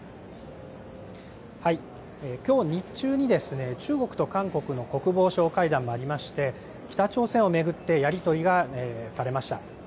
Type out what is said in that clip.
きょう日中にですね中国と韓国の国防相会談もありまして北朝鮮を巡ってやり取りがされました。